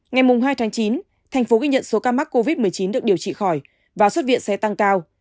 ngày hai chín tp hcm ghi nhận số ca mắc covid một mươi chín được điều trị khỏi và xuất viện sẽ tăng cao